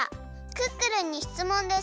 「クックルンにしつもんです。